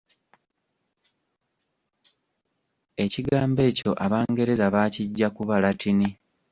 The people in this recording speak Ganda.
Ekigambo ekyo Abangereza baakiggya ku Balatini.